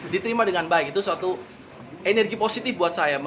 diterima dengan baik itu suatu energi positif buat saya